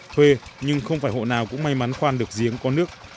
thuê nhưng không phải hộ nào cũng may mắn khoan được giếng có nước